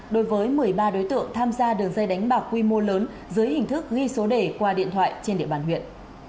đối với một mươi ba đối tượng tham gia đường dây đánh bạc quy mô lớn dưới hình thức ghi số đề qua điện thoại trên địa bàn huyện